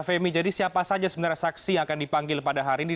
femi jadi siapa saja sebenarnya saksi yang akan dipanggil pada hari ini